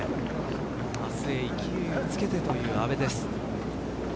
明日へ勢いをつけてという阿部です。